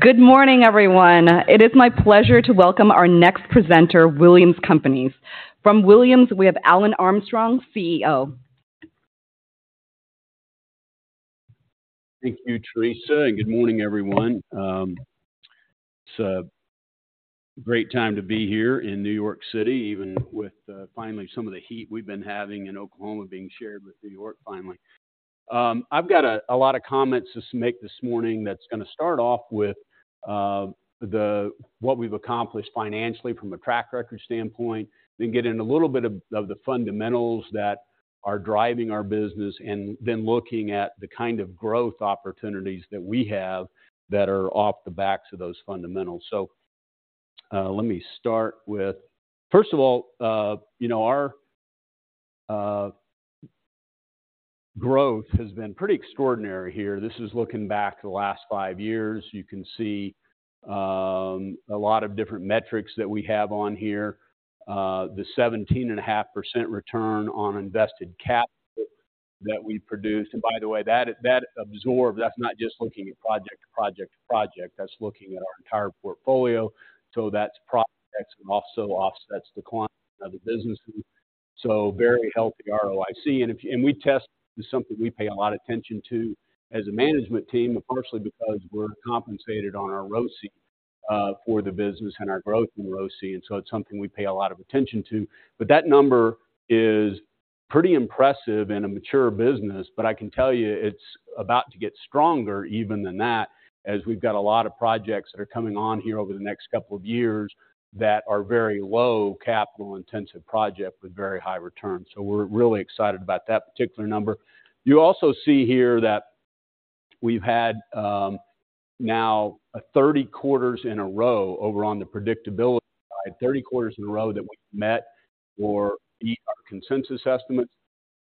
Good morning, everyone. It is my pleasure to welcome our next presenter, Williams Companies. From Williams, we have Alan Armstrong, CEO. Thank you, Theresa, and good morning, everyone. It's a great time to be here in New York City, even with finally some of the heat we've been having in Oklahoma being shared with New York finally. I've got a lot of comments to make this morning that's going to start off with what we've accomplished financially from a track record standpoint, then get in a little bit of the fundamentals that are driving our business, and then looking at the kind of growth opportunities that we have that are off the backs of those fundamentals. So, let me start with... First of all, you know, our growth has been pretty extraordinary here. This is looking back the last five years. You can see a lot of different metrics that we have on here. The 17.5% return on invested capital that we produced, and by the way, that absorbs... that's not just looking at project to project to project, that's looking at our entire portfolio. So that's projects, and also offsets the decline of the business. So very healthy ROIC. And it's something we pay a lot of attention to as a management team, partially because we're compensated on our ROIC for the business and our growth in ROIC, and so it's something we pay a lot of attention to. But that number is pretty impressive in a mature business, but I can tell you it's about to get stronger even than that, as we've got a lot of projects that are coming on here over the next couple of years that are very low capital intensive project with very high returns. So we're really excited about that particular number. You also see here that we've had now 30 quarters in a row over on the predictability side, 30 quarters in a row that we've met or beat our consensus estimates,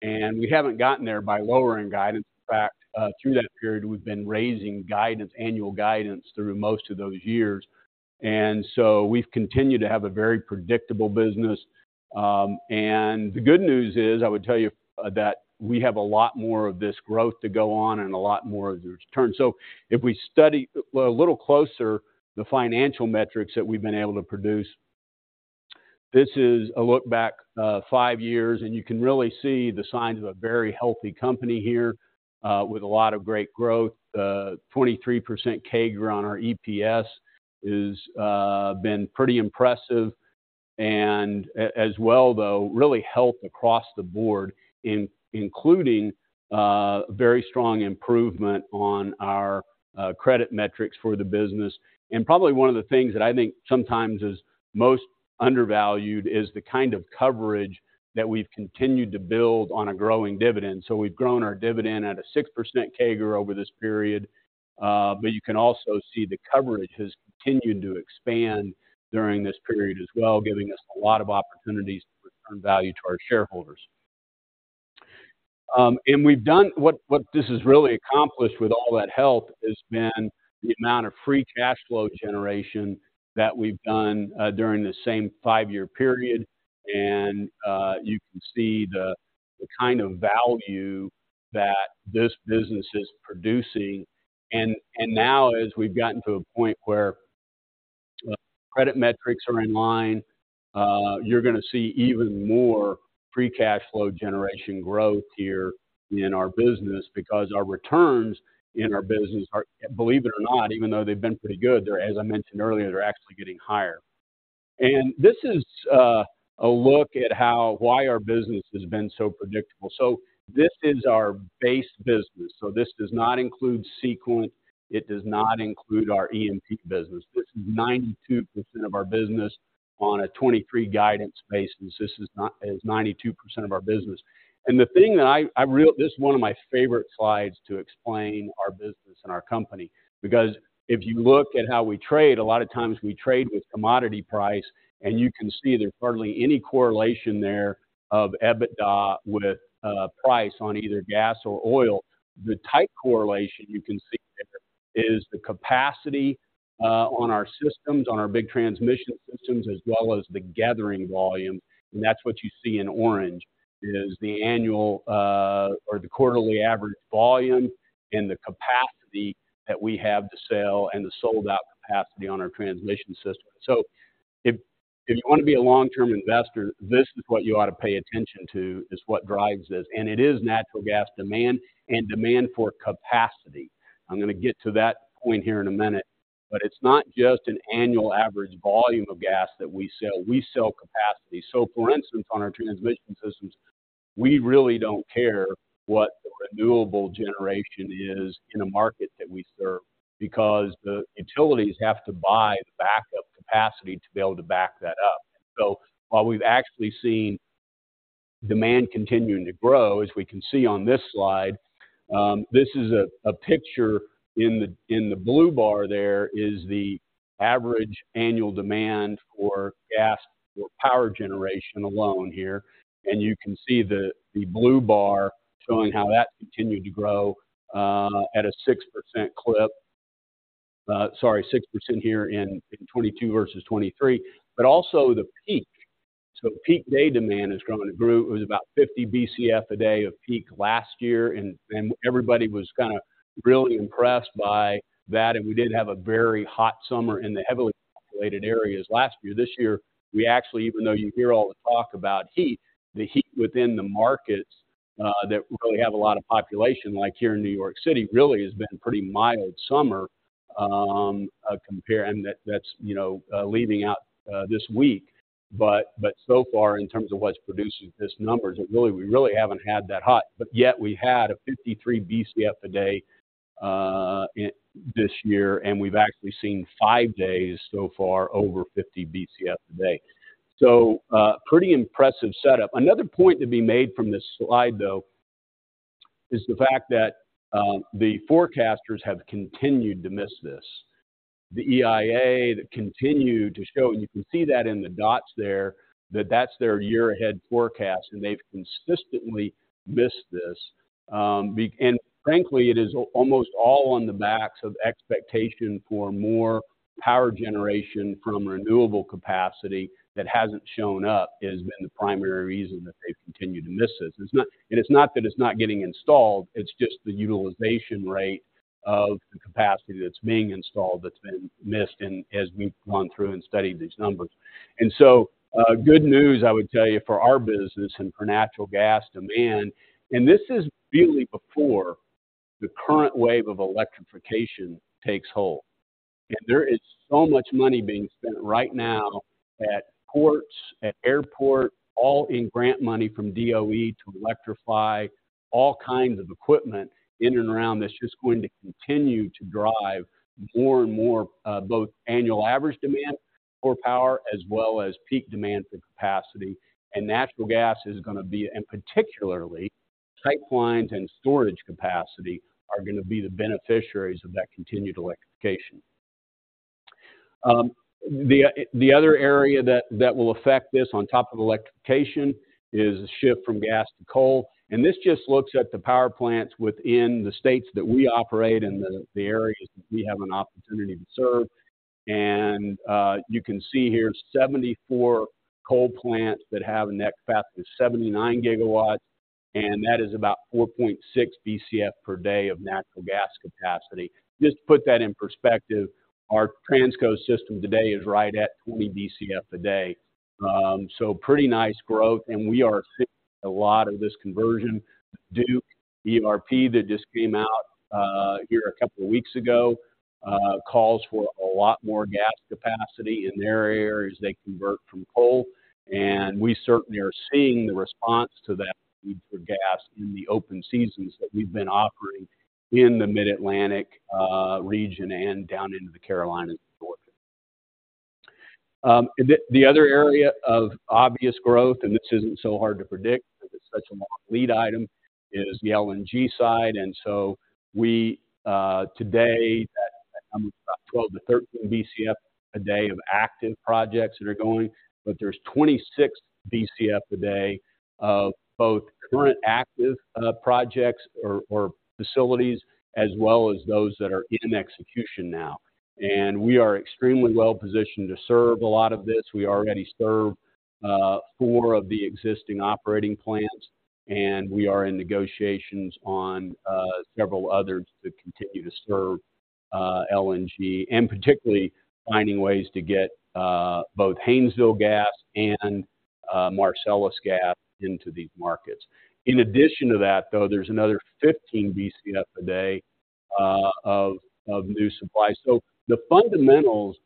and we haven't gotten there by lowering guidance. In fact, through that period, we've been raising guidance, annual guidance through most of those years. And so we've continued to have a very predictable business. And the good news is, I would tell you, that we have a lot more of this growth to go on and a lot more of the return. So if we study a little closer, the financial metrics that we've been able to produce, this is a look back five years, and you can really see the signs of a very healthy company here, with a lot of great growth. 23% CAGR on our EPS has been pretty impressive, and as well, though, real health across the board, including very strong improvement on our credit metrics for the business. And probably one of the things that I think sometimes is most undervalued is the kind of coverage that we've continued to build on a growing dividend. So we've grown our dividend at a 6% CAGR over this period, but you can also see the coverage has continued to expand during this period as well, giving us a lot of opportunities to return value to our shareholders. And we've done what this has really accomplished with all that help has been the amount of free cash flow generation that we've done during the same five-year period, and you can see the kind of value that this business is producing. And now, as we've gotten to a point where credit metrics are in line, you're gonna see even more free cash flow generation growth here in our business because our returns in our business are, believe it or not, even though they've been pretty good, they're, as I mentioned earlier, they're actually getting higher. And this is a look at how, why our business has been so predictable. So this is our base business. So this does not include Sequent, it does not include our E&P business. This is 92% of our business on a 2023 guidance basis. This is 92% of our business. The thing that I really, this is one of my favorite slides to explain our business and our company, because if you look at how we trade, a lot of times we trade with commodity price, and you can see there's hardly any correlation there of EBITDA with price on either gas or oil. The tight correlation you can see there is the capacity on our systems, on our big transmission systems, as well as the gathering volume, and that's what you see in orange, is the annual or the quarterly average volume and the capacity that we have to sell and the sold-out capacity on our transmission system. So if you want to be a long-term investor, this is what you ought to pay attention to, is what drives this, and it is natural gas demand and demand for capacity. I'm going to get to that point here in a minute, but it's not just an annual average volume of gas that we sell, we sell capacity. So for instance, on our transmission systems, we really don't care what the renewable generation is in a market that we serve because the utilities have to buy the backup capacity to be able to back that up. So while we've actually seen demand continuing to grow, as we can see on this slide, this is a picture in the blue bar there is the average annual demand for gas or power generation alone here, and you can see the blue bar showing how that's continued to grow at a 6% clip. Sorry, 6% here in 2022 versus 2023, but also the peak. So peak day demand is growing. It grew, it was about 50 Bcf/d of peak last year, and everybody was kinda really impressed by that, and we did have a very hot summer in the heavily populated areas last year. This year, we actually, even though you hear all the talk about heat, the heat within the markets, that really have a lot of population, like here in New York City, really has been a pretty mild summer. And that's, you know, leaving out this week. But so far, in terms of what's producing these numbers, it really, we really haven't had that hot. But yet we had a 53 BCF a day in this year, and we've actually seen five days so far over 50 BCF a day. So, pretty impressive setup. Another point to be made from this slide, though, is the fact that the forecasters have continued to miss this. The EIA that continued to show, and you can see that in the dots there, that that's their year-ahead forecast, and they've consistently missed this. Frankly, it is almost all on the backs of expectation for more power generation from renewable capacity that hasn't shown up, has been the primary reason that they've continued to miss this. It's not, and it's not that it's not getting installed, it's just the utilization rate of the capacity that's being installed that's been missed and as we've gone through and studied these numbers. So, good news, I would tell you, for our business and for natural gas demand, and this is really before the current wave of electrification takes hold. There is so much money being spent right now at ports, at airport, all in grant money from DOE to electrify all kinds of equipment in and around. That's just going to continue to drive more and more, both annual average demand for power, as well as peak demand for capacity. Natural gas is gonna be, and particularly, pipelines and storage capacity are gonna be the beneficiaries of that continued electrification. The other area that will affect this on top of electrification is a shift from gas to coal, and this just looks at the power plants within the states that we operate and the areas that we have an opportunity to serve. You can see here 74 coal plants that have a net capacity of 79 gigawatts, and that is about 4.6 BCF per day of natural gas capacity. Just to put that in perspective, our Transco system today is right at 20 BCF a day. So pretty nice growth, and we are seeing a lot of this conversion. Duke IRP that just came out here a couple of weeks ago calls for a lot more gas capacity in their areas they convert from coal, and we certainly are seeing the response to that for gas in the open seasons that we've been operating in the Mid-Atlantic region and down into the Carolinas and Georgia. The other area of obvious growth, and this isn't so hard to predict because it's such a long lead item, is the LNG side. And so we today that comes to about 12-13 Bcf/d of active projects that are going, but there's 26 Bcf/d of both current active projects or facilities, as well as those that are in execution now. And we are extremely well-positioned to serve a lot of this. We already serve four of the existing operating plants, and we are in negotiations on several others to continue to serve LNG, and particularly finding ways to get both Haynesville gas and Marcellus gas into these markets. In addition to that, though, there's another 15 Bcf/d of new supply. So the fundamentals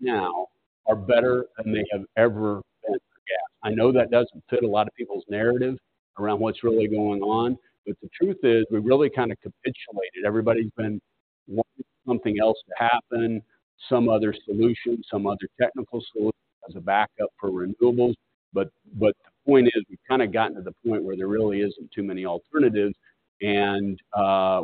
now are better than they have ever been for gas. I know that doesn't fit a lot of people's narrative around what's really going on, but the truth is, we've really kinda capitulated. Everybody's been wanting something else to happen, some other solution, some other technical solution as a backup for renewables. But the point is, we've kinda gotten to the point where there really isn't too many alternatives, and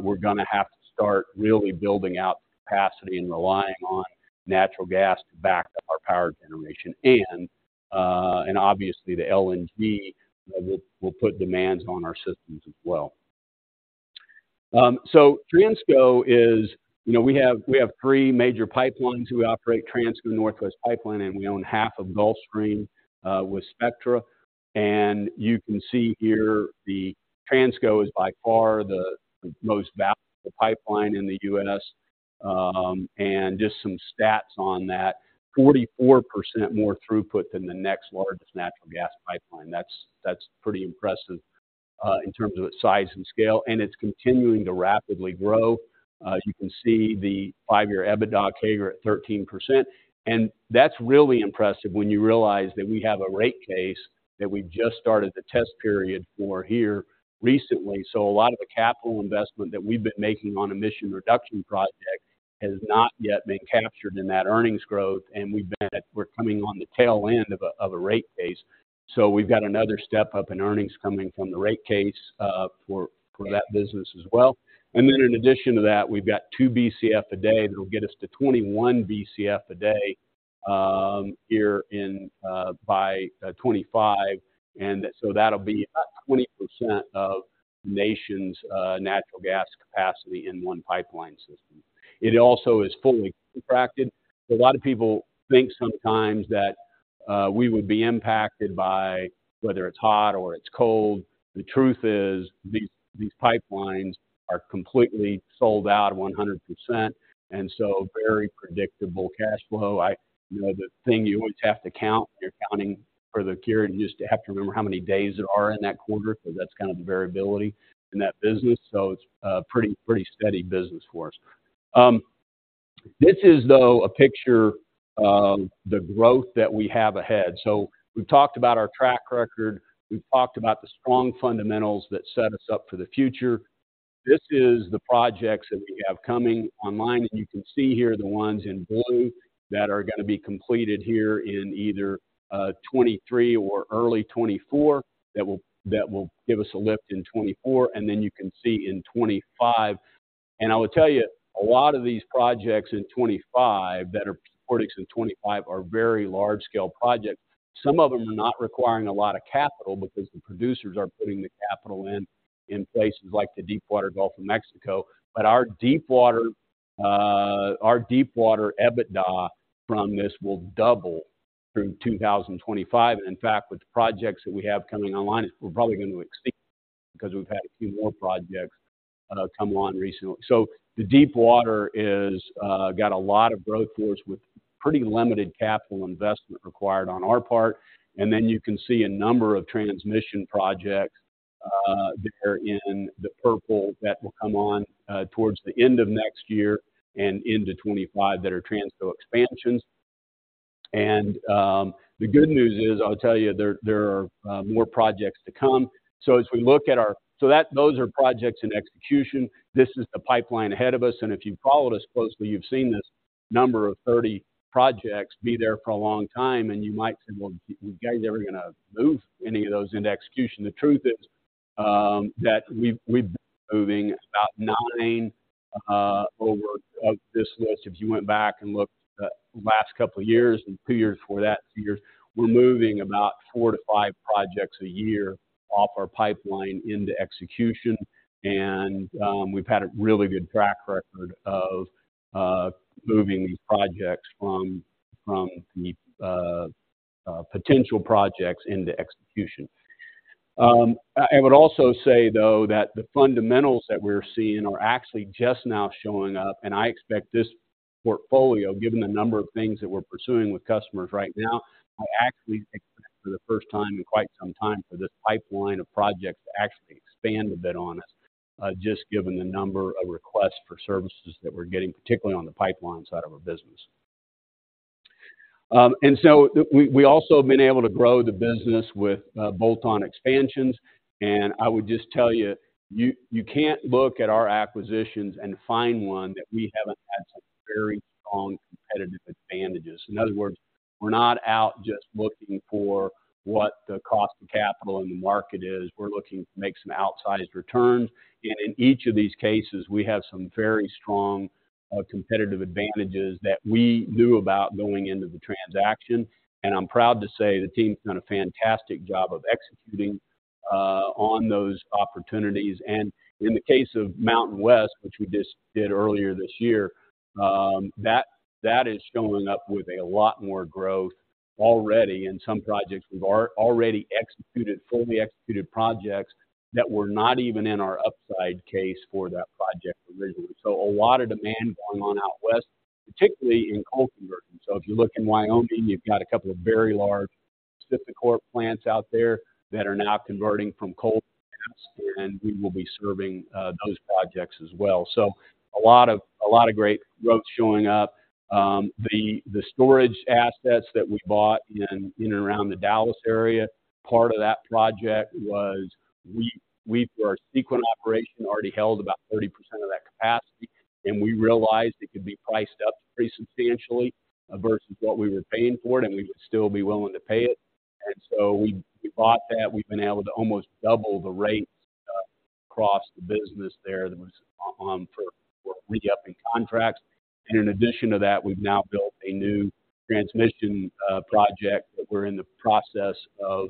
we're gonna have to start really building out the capacity and relying on natural gas to back up our power generation. And obviously, the LNG will put demands on our systems as well. So Transco is... You know, we have three major pipelines. We operate Transco, Northwest Pipeline, and we own half of Gulfstream with Spectra. And you can see here, the Transco is by far the most valuable pipeline in the U.S. And just some stats on that, 44% more throughput than the next largest natural gas pipeline. That's pretty impressive in terms of its size and scale, and it's continuing to rapidly grow. You can see the five-year EBITDA CAGR at 13%, and that's really impressive when you realize that we have a rate case that we've just started the test period for here recently. A lot of the capital investment that we've been making on emission reduction project has not yet been captured in that earnings growth, and we're coming on the tail end of a rate case. We've got another step up in earnings coming from the rate case for that business as well. Then in addition to that, we've got two BCF a day that'll get us to 21 BCF a day here in by 2025. That'll be about 20% of the nation's natural gas capacity in one pipeline system. It also is fully contracted. A lot of people think sometimes that we would be impacted by whether it's hot or it's cold. The truth is, these, these pipelines are completely sold out, 100%, and so very predictable cash flow. You know, the thing you always have to count when you're accounting for the current year, you just have to remember how many days there are in that quarter, because that's kind of the variability in that business. So it's a pretty, pretty steady business for us. This is, though, a picture of the growth that we have ahead. So we've talked about our track record, we've talked about the strong fundamentals that set us up for the future. This is the projects that we have coming online, and you can see here the ones in blue that are going to be completed here in either 2023 or early 2024. That will give us a lift in 2024, and then you can see in 2025. And I will tell you, a lot of these projects in 2025, that are supported in 2025, are very large-scale projects. Some of them are not requiring a lot of capital because the producers are putting the capital in, in places like the Deepwater Gulf of Mexico. But our deepwater EBITDA from this will double through 2025. And in fact, with the projects that we have coming online, we're probably going to exceed, because we've had a few more projects come on recently. So the Deepwater's got a lot of growth for us with pretty limited capital investment required on our part. And then you can see a number of transmission projects there in the purple that will come on towards the end of next year and into 25, that are Transco expansions. The good news is, I'll tell you, there are more projects to come. So those are projects in execution. This is the pipeline ahead of us, and if you've followed us closely, you've seen this number of 30 projects be there for a long time, and you might say, "Well, you guys are ever going to move any of those into execution?" The truth is, that we've been moving about nine over of this list. If you went back and looked at the last couple of years and two years before that, two years, we're moving about four to five projects a year off our pipeline into execution. And we've had a really good track record of moving these projects from potential projects into execution. I would also say, though, that the fundamentals that we're seeing are actually just now showing up, and I expect this portfolio, given the number of things that we're pursuing with customers right now. I actually expect for the first time in quite some time for this pipeline of projects to actually expand a bit on us, just given the number of requests for services that we're getting, particularly on the pipeline side of our business. And so we also have been able to grow the business with bolt-on expansions. And I would just tell you, you can't look at our acquisitions and find one that we haven't had some very strong competitive advantages. In other words, we're not out just looking for what the cost of capital in the market is. We're looking to make some outsized returns, and in each of these cases, we have some very strong competitive advantages that we knew about going into the transaction. And I'm proud to say the team's done a fantastic job of executing on those opportunities. In the case of MountainWest, which we just did earlier this year, that, that is showing up with a lot more growth already, and some projects we've already executed, fully executed projects that were not even in our upside case for that project originally. So a lot of demand going on out West, particularly in coal conversion. So if you look in Wyoming, you've got a couple of very large PacifiCorp plants out there that are now converting from coal to gas, and we will be serving those projects as well. So a lot of, a lot of great growth showing up. The storage assets that we bought in and around the Dallas area, part of that project was we through our Sequent operation already held about 30% of that capacity, and we realized it could be priced up pretty substantially versus what we were paying for it, and we would still be willing to pay it. So we bought that. We've been able to almost double the rate across the business there that was on for re-upping contracts. And in addition to that, we've now built a new transmission project that we're in the process of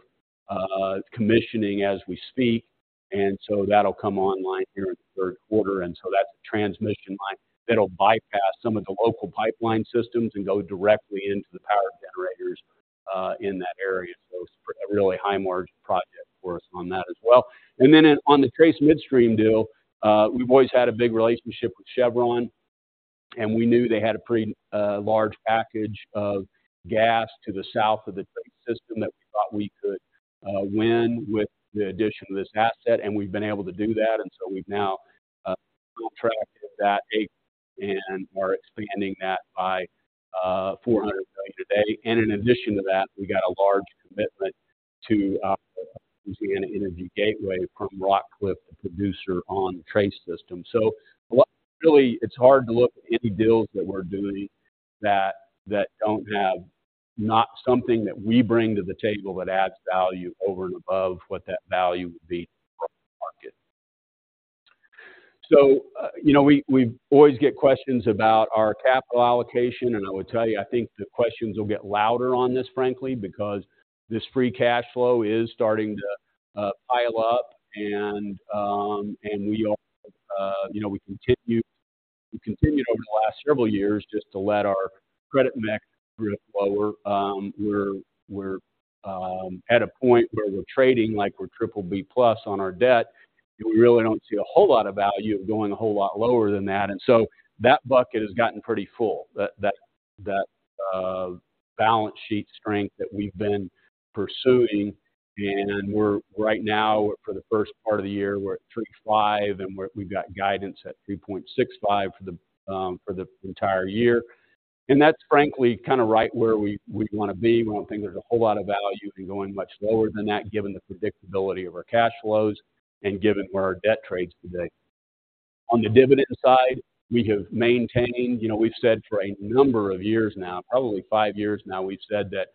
commissioning as we speak, and so that'll come online here in the third quarter, and so that's a transmission line that'll bypass some of the local pipeline systems and go directly into the power generators in that area. So it's a really high-margin project for us on that as well. And then on the Trace Midstream deal, we've always had a big relationship with Chevron, and we knew they had a pretty large package of gas to the south of the Trace system that we thought we could win with the addition of this asset, and we've been able to do that. And so we've now contracted that acreage and are expanding that by 400 million today. And in addition to that, we got a large commitment to using an Energy Gateway from Rockcliff, the producer on Trace system. So really, it's hard to look at any deals that we're doing that don't have not something that we bring to the table that adds value over and above what that value would be.... So, you know, we always get questions about our capital allocation, and I would tell you, I think the questions will get louder on this, frankly, because this free cash flow is starting to pile up, and we all, you know, we continue, we continued over the last several years just to let our credit mix drift lower. We're at a point where we're trading like we're triple B plus on our debt, and we really don't see a whole lot of value of going a whole lot lower than that. So that bucket has gotten pretty full, balance sheet strength that we've been pursuing, and we're right now, for the first part of the year, we're at 3.5, and we've got guidance at 3.65 for the entire year. That's frankly kind of right where we want to be. We don't think there's a whole lot of value in going much lower than that, given the predictability of our cash flows and given where our debt trades today. On the dividend side, we have maintained, you know, we've said for a number of years now, probably five years now, we've said that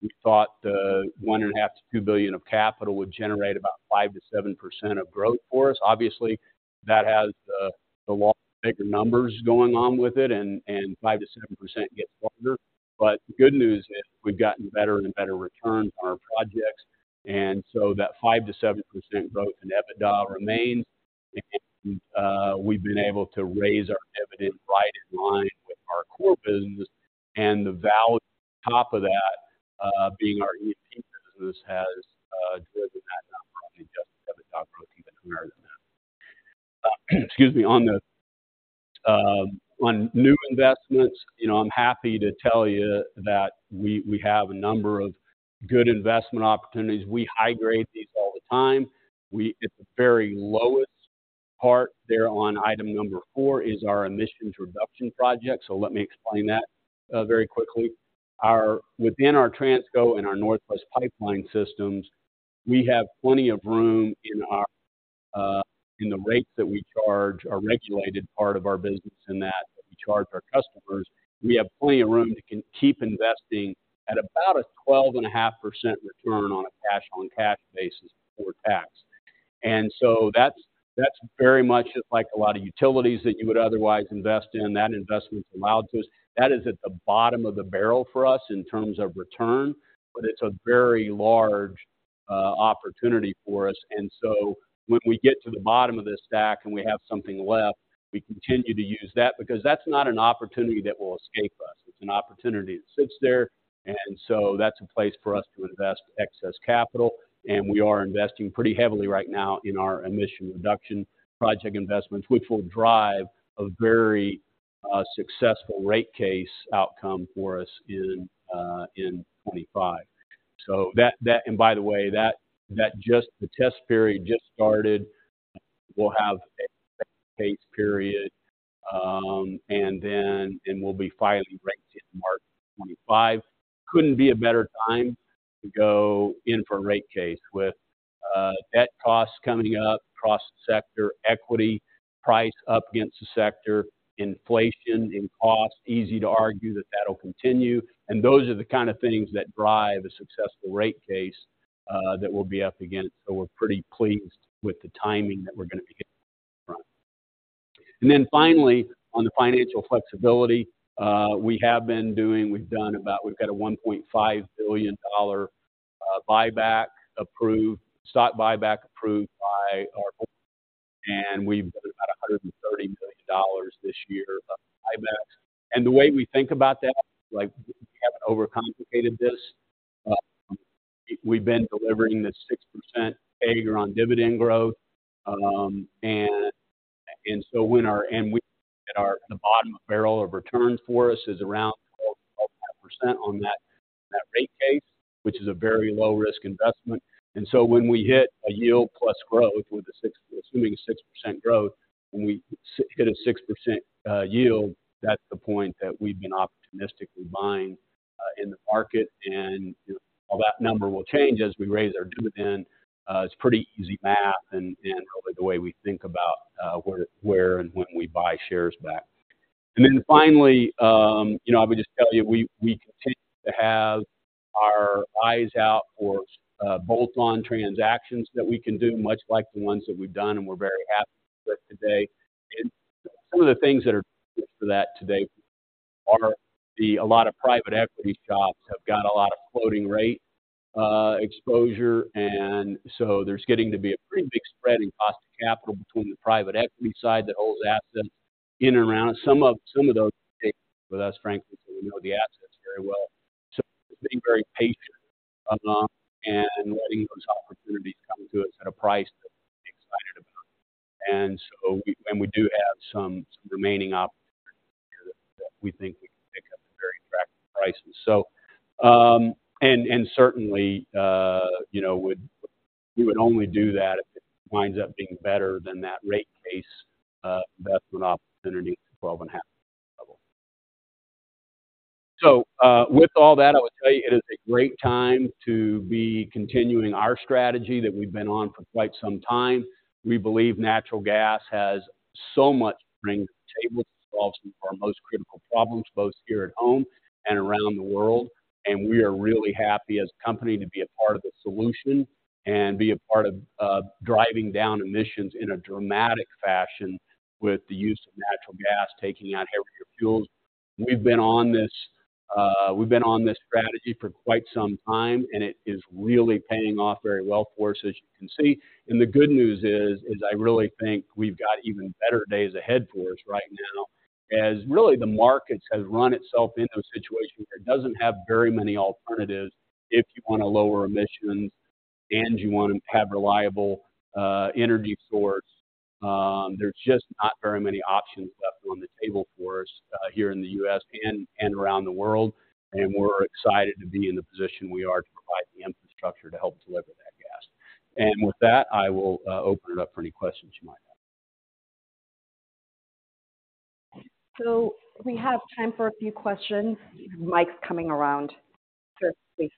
we thought the $1.5 billion-$2 billion of capital would generate about 5%-7% of growth for us. Obviously, that has the bigger numbers going on with it, and 5%-7% gets larger. But the good news is we've gotten better and better return on our projects, and so that 5%-7% growth in EBITDA remains. And we've been able to raise our dividend right in line with our core business, and the value on top of that, being our EP business has driven that number, just EBITDA growth even higher than that. Excuse me. On new investments, you know, I'm happy to tell you that we have a number of good investment opportunities. We high grade these all the time. At the very lowest part there on item number four is our emissions reduction project. So let me explain that very quickly. Our within our Transco and our Northwest Pipeline systems, we have plenty of room in our, in the rates that we charge, our regulated part of our business in that, that we charge our customers. We have plenty of room to keep investing at about a 12.5% return on a cash-on-cash basis before tax. And so that's, that's very much just like a lot of utilities that you would otherwise invest in. That investment's allowed to us. That is at the bottom of the barrel for us in terms of return, but it's a very large, opportunity for us. And so when we get to the bottom of this stack and we have something left, we continue to use that, because that's not an opportunity that will escape us. It's an opportunity that sits there, and so that's a place for us to invest excess capital, and we are investing pretty heavily right now in our emission reduction project investments, which will drive a very successful rate case outcome for us in 2025. So that – and by the way, the test period just started. We'll have a case period, and then we'll be filing rates in March 2025. Couldn't be a better time to go in for a rate case with debt costs coming up across the sector, equity price up against the sector, inflation in costs, easy to argue that that will continue, and those are the kind of things that drive a successful rate case that we'll be up against. So we're pretty pleased with the timing that we're going to be getting from. Then finally, on the financial flexibility, we have been doing—we've done about—we've got a $1.5 billion buyback approved, stock buyback approved by our board, and we've got about $130 million this year of buybacks. And the way we think about that, like, we haven't overcomplicated this, we've been delivering this 6% figure on dividend growth. And so when our—and we at our, the bottom of barrel of returns for us is around 12, 12.5% on that rate case, which is a very low risk investment. And so when we hit a yield plus growth with a 6, assuming a 6% growth, when we hit a 6% yield, that's the point that we've been opportunistically buying in the market. You know, while that number will change as we raise our dividend, it's pretty easy math and really the way we think about where and when we buy shares back. Then finally, you know, I would just tell you, we continue to have our eyes out for bolt-on transactions that we can do, much like the ones that we've done, and we're very happy with today. Some of the things that are for that today are a lot of private equity shops have got a lot of floating rate exposure, and so there's getting to be a pretty big spread in cost of capital between the private equity side that holds assets in and around some of those with us, frankly, so we know the assets very well. So being very patient, and letting those opportunities come to us at a price that we're excited about. And so we do have some remaining opportunities that we think we can pick up at very attractive prices. So, certainly, you know, we would only do that if it winds up being better than that rate case investment opportunity at 12.5 level. So, with all that, I would tell you, it is a great time to be continuing our strategy that we've been on for quite some time. We believe natural gas has so much to bring to the table to solve some of our most critical problems, both here at home and around the world. And we are really happy as a company to be a part of the solution and be a part of, of driving down emissions in a dramatic fashion with the use of natural gas, taking out heavier fuels. We've been on this strategy for quite some time, and it is really paying off very well for us, as you can see. And the good news is, is I really think we've got even better days ahead for us right now, as really the markets have run itself into a situation where it doesn't have very many alternatives if you want to lower emissions, and you want to have reliable, energy source. There's just not very many options left on the table for us, here in the U.S. and, and around the world, and we're excited to be in the position we are to provide the infrastructure to help deliver that gas. With that, I will open it up for any questions you might have. We have time for a few questions. Mic's coming around. Sure, please.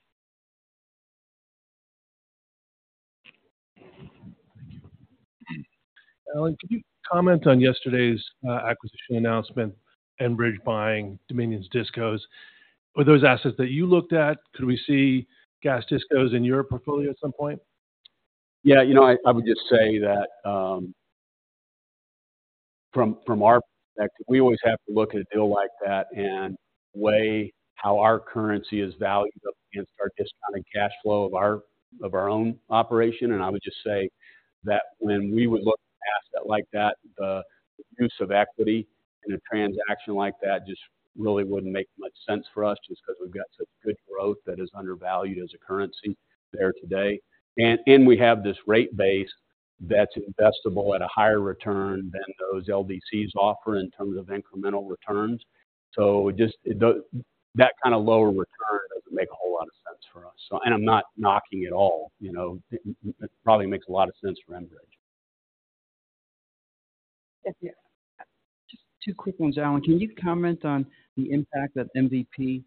Thank you. Alan, can you comment on yesterday's acquisition announcement, Enbridge buying Dominion's DISCOs? Were those assets that you looked at? Could we see gas DISCOs in your portfolio at some point? Yeah, you know, I would just say that from our perspective, we always have to look at a deal like that and weigh how our currency is valued against our discounted cash flow of our own operation. And I would just say that when we would look at asset like that, the use of equity in a transaction like that just really wouldn't make much sense for us, just 'cause we've got such good growth that is undervalued as a currency there today. And we have this rate base that's investable at a higher return than those LDCs offer in terms of incremental returns. So just, that kind of lower return doesn't make a whole lot of sense for us. So... And I'm not knocking it at all, you know, it probably makes a lot of sense for Enbridge. Yes, yeah. Just two quick ones, Alan. Can you comment on the impact that MVP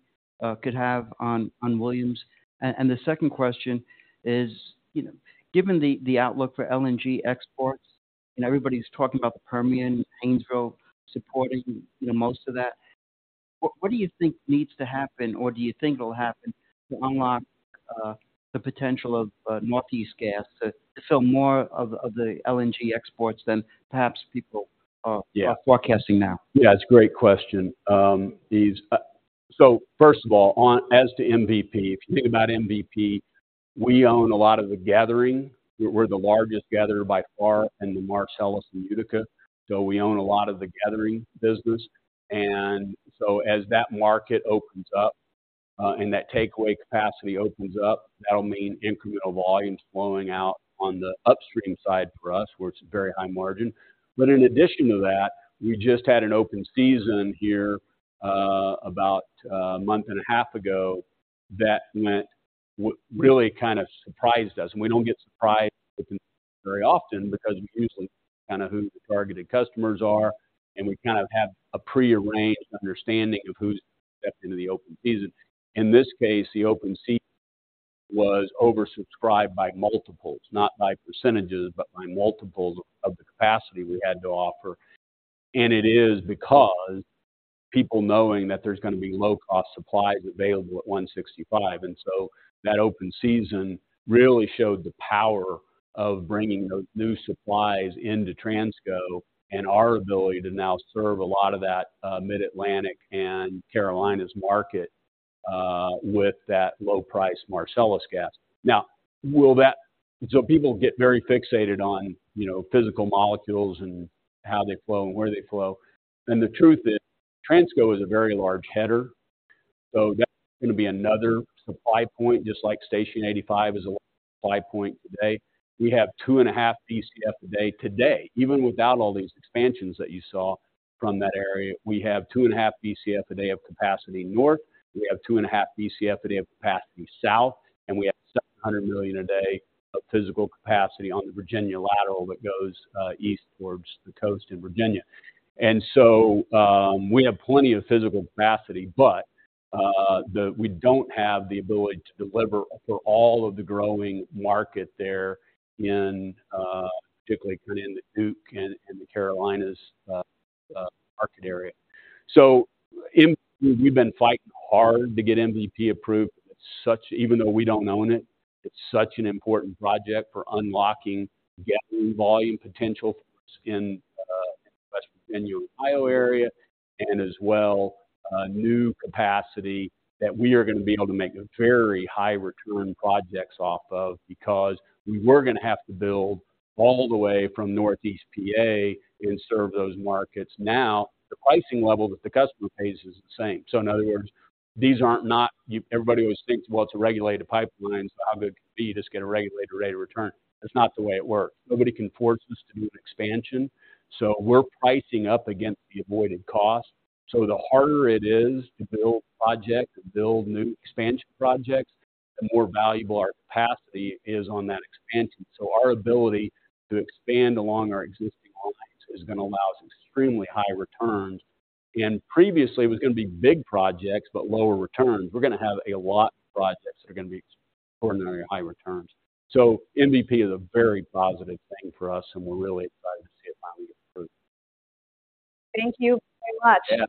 could have on Williams? And the second question is, you know, given the outlook for LNG exports, and everybody's talking about the Permian, Haynesville supporting, you know, most of that, what do you think needs to happen, or do you think will happen to unlock the potential of Northeast gas to fill more of the LNG exports than perhaps people are forecasting now? Yeah, it's a great question. So first of all, as to MVP, if you think about MVP, we own a lot of the gathering. We're, we're the largest gatherer by far in the Marcellus and Utica, so we own a lot of the gathering business. And so as that market opens up, and that takeaway capacity opens up, that'll mean incremental volumes flowing out on the upstream side for us, where it's very high margin. But in addition to that, we just had an open season here about a month and a half ago, that meant really kind of surprised us. And we don't get surprised very often because we usually kind of know who the targeted customers are, and we kind of have a prearranged understanding of who's stepping into the open season. In this case, the Open Season was oversubscribed by multiples, not by percentages, but by multiples of the capacity we had to offer. And it is because people knowing that there's going to be low-cost supplies available at $1.65, and so that Open Season really showed the power of bringing those new supplies into Transco and our ability to now serve a lot of that, Mid-Atlantic and Carolinas market, with that low price Marcellus gas. Now, so people get very fixated on, you know, physical molecules and how they flow and where they flow. And the truth is, Transco is a very large header, so that's going to be another supply point, just like Station 85 is a supply point today. We have 2.5 Bcf a day today. Even without all these expansions that you saw from that area, we have 2.5 Bcf a day of capacity north, we have 2.5 Bcf a day of capacity south, and we have 700 million a day of physical capacity on the Virginia Lateral that goes east towards the coast in Virginia. And so, we have plenty of physical capacity, but we don't have the ability to deliver for all of the growing market there in, particularly kind of in the Duke and the Carolinas market area. We've been fighting hard to get MVP approved. It's such. Even though we don't own it, it's such an important project for unlocking gathering volume potential for us in West Virginia, Ohio area, and as well, a new capacity that we are going to be able to make very high return projects off of, because we were going to have to build all the way from northeast PA and serve those markets. Now, the pricing level that the customer pays is the same. So in other words, these aren't not. Everybody always thinks, "Well, it's a regulated pipeline, so how good could it be? Just get a regulated rate of return." That's not the way it works. Nobody can force us to do an expansion, so we're pricing up against the avoided cost. So the harder it is to build projects, to build new expansion projects, the more valuable our capacity is on that expansion. So our ability to expand along our existing lines is going to allow us extremely high returns, and previously it was going to be big projects, but lower returns. We're going to have a lot of projects that are going to be extraordinary high returns. So MVP is a very positive thing for us, and we're really excited to see it finally get approved. Thank you very much.